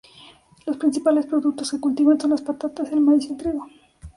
Los principales productos que cultivan son las patatas, el maíz y el trigo.